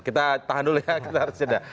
kita tahan dulu ya kita harus jeda